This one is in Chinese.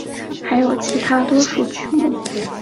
还有其他大多数曲目。